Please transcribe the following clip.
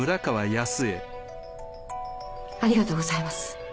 ありがとうございます。